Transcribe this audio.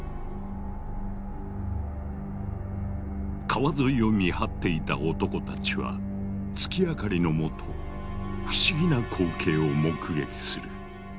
川沿いを見張っていた男たちは月明かりのもと不思議な光景を目撃する。